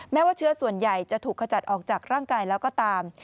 แม้ว่าเชื้อส่วนใหญ่จะถูกขจัดออกจากร่างกายแล้วก็ตาม